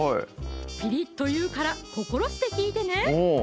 ピリッと言うから心して聞いてねおぉ